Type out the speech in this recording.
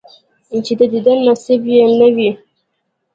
چې د دیدن نصیب یې نه وي،